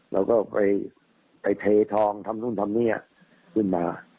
เราก็ไปเททองทำนู่นทำนี่ขึ้นมา